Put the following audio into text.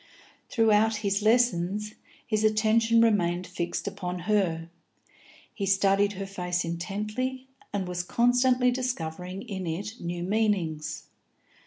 Throughout his lessons, his attention remained fixed upon her; he studied her face intently, and was constantly discovering in it new meanings.